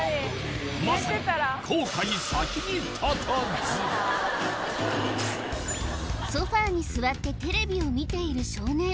まさにソファーに座ってテレビを見ている少年